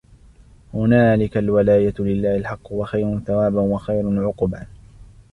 هنالك الولاية لله الحق هو خير ثوابا وخير عقبا